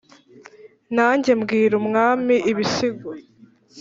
nanjye mbwira umwami ibisigo,